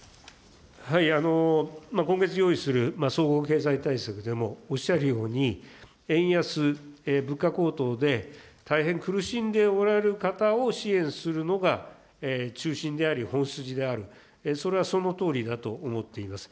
今月用意する総合経済対策でもおっしゃるように、円安、物価高騰で大変苦しんでおられる方を支援するのが中心であり、本筋である、それはそのとおりだと思っています。